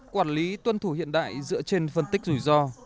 quản lý tuân thủ hiện đại dựa trên phân tích rủi ro